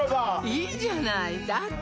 いいじゃないだって